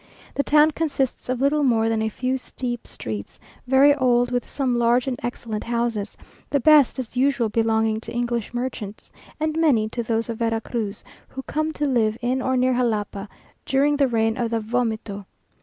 The town consists of little more than a few steep streets, very old, with some large and excellent houses, the best as usual belonging to English merchants, and many to those of Vera Cruz, who come to live in or near Jalapa, during the reign of the "Vomito."